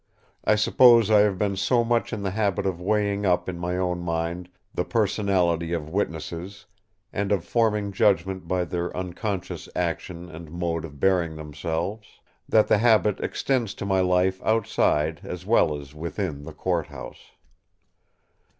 I suppose I have been so much in the habit of weighing up in my own mind the personality of witnesses and of forming judgment by their unconscious action and mode of bearing themselves, that the habit extends to my life outside as well as within the court house.